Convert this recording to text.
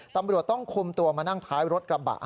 ตำรวจต้องคุมตัวมานั่งท้ายรถกระบะ